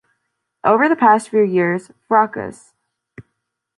Over the past few years, Fracas!